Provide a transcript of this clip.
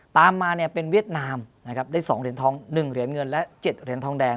ตามมาเนี่ยเป็นเวียดนามนะครับได้๒เหรียญทอง๑เหรียญเงินและ๗เหรียญทองแดง